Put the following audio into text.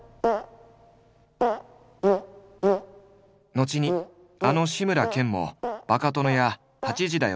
後にあの志村けんも「バカ殿」や「８時だョ！